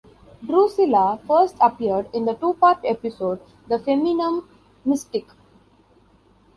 Drusilla first appeared in the two-part episode "The Feminum Mystique".